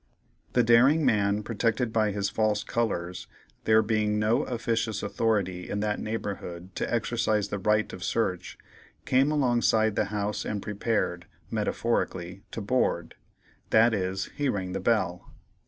The daring man, protected by his false colors, there being no officious authority in that neighborhood to exercise the right of search, came alongside the house and prepared, metaphorically, to board; that is, he rang the bell.